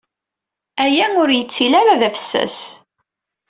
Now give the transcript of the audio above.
Aya ur yettili ara d afessas.